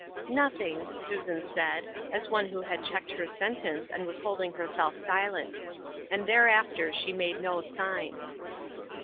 "Nothing," Susan said, as one who had checked her sentence and was holding herself silent. And thereafter she made no sign.